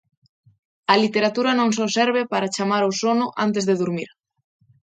A literatura non só serve para chamar ao sono antes de durmir.